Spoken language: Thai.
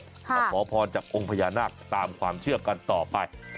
มาขอพรจากองค์พญานาคตามความเชื่อกันต่อไป